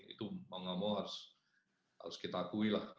itu mau gak mau harus kita akui lah